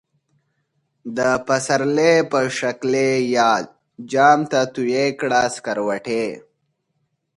د پسرلی په شکلی یاد، جام ته تویی کړه سکروټی